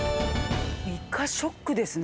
ショックですね。